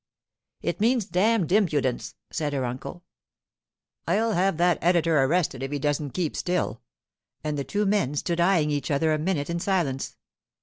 'It means damned impudence!' said her uncle. 'I'll have that editor arrested if he doesn't keep still,' and the two men stood eyeing each other a minute in silence.